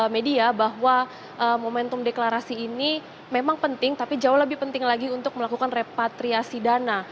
media bahwa momentum deklarasi ini memang penting tapi jauh lebih penting lagi untuk melakukan repatriasi dana